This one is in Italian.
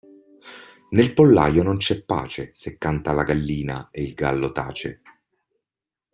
Nel pollaio non c'è pace se canta la gallina e il gallo tace.